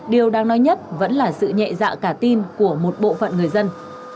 điều đáng nói nhất vẫn là sự nhẹ dạ cả tin của một bộ phận người dân